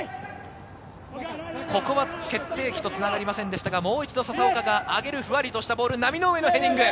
ここは決定機とつながりませんでしたが、もう一度笹岡が上げる、ふわりとしたボール、浪上のヘディング。